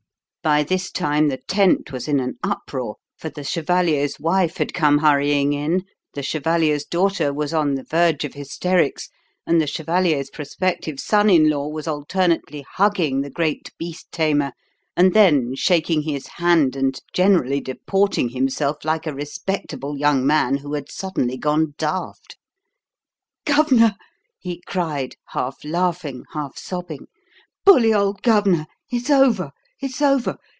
By this time the tent was in an uproar, for the chevalier's wife had come hurrying in, the chevalier's daughter was on the verge of hysterics, and the chevalier's prospective son in law was alternately hugging the great beast tamer and then shaking his hand and generally deporting himself like a respectable young man who had suddenly gone daft. "Governor!" he cried, half laughing, half sobbing. "Bully old governor. It's over it's over.